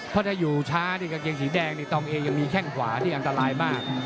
เพราะถ้าอยู่ช้านี่กางเกงสีแดงนี่ตองเอยังมีแข้งขวาที่อันตรายมาก